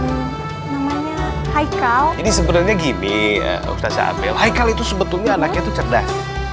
namanya haikal ini sebenarnya gini ustazza abel haikal itu sebetulnya anaknya itu cerdas